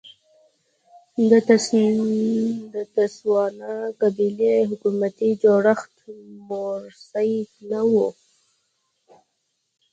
د تسوانا قبایلي حکومتي جوړښت موروثي نه و.